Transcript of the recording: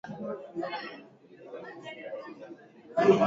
usultani ulikuwa na fedha yake ya pekee iliyoitwa Riali ya Zanzibar